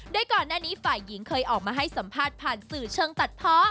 โดยก่อนหน้านี้ฝ่ายหญิงเคยออกมาให้สัมภาษณ์ผ่านสื่อเชิงตัดเพาะ